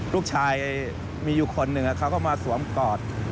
ลูกชายมีอยู่คนหนึ่งเขาก็มาสวมกอด